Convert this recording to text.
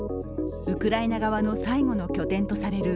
ウクライナ側の最後の拠点とされる